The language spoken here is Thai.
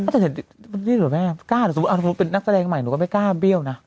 ชัดเจนนี่หรือแม่สมมุติเป็นนักแสดงใหม่หนูก็ไม่กล้าเบี้ยวนะ